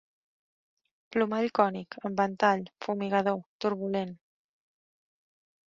Plomall cònic, en ventall, fumigador, turbulent.